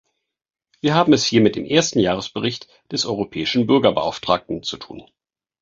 Wir haben es hier mit dem ersten Jahresbericht des Europäischen Bürgerbeauftragten zu tun.